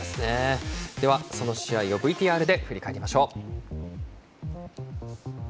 では、その試合をＶＴＲで振り返りましょう。